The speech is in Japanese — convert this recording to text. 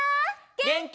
げんき？